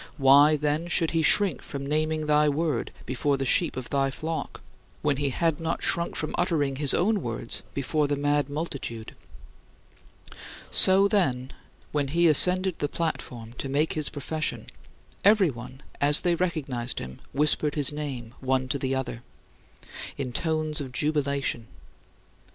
Why, then, should he shrink from naming thy Word before the sheep of thy flock, when he had not shrunk from uttering his own words before the mad multitude? So, then, when he ascended the platform to make his profession, everyone, as they recognized him, whispered his name one to the other, in tones of jubilation.